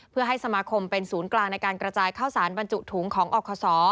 เพื่อให้สมาคมเป็นศูนย์กลางในการกระจายข้าวสารบรรจุถุงของอคศ